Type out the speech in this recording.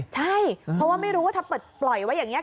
ใช่เพราะว่าไม่รู้ว่าถ้าเปิดปล่อยไว้อย่างนี้